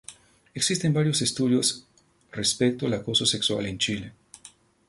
Existen varios estudios respecto al acoso sexual en Chile.